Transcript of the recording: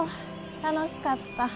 楽しかった。